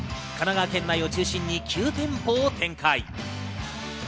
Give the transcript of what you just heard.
神奈川県内を中心に９店舗を展開。